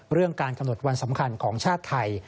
เรื่องการกำหนดวันสำคัญของชาติไทย